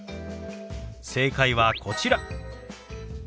正解はこちら。